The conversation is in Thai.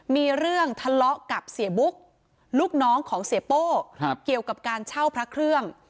มีเรื่องทะเลาะกับเสียบุ๊กลูกน้องของเสียโป้เกี่ยวกับการเช่าพระเครื่อง